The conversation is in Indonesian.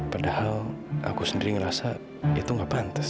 padahal aku sendiri ngerasa itu nggak pantes